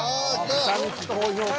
豚肉高評価。